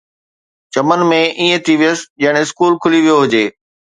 چمن ۾ ائين ٿي ويس، ڄڻ اسڪول کلي ويو هجي